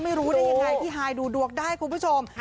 ไม่รู้ได้ยังไงพี่ฮายดูดวงได้คุณผู้ชม